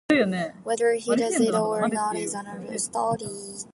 Whether he does it or not is another story.